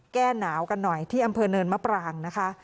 แก้หนาวกันหน่อยที่อำเภอเนินมะปรางนะคะ